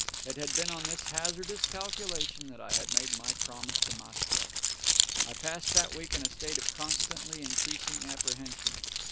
It had been on this hazardous calculation that I had made my promise to Maschka. I passed that week in a state of constantly increasing apprehension.